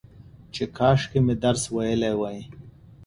چې کاشکي مې درس ويلى وى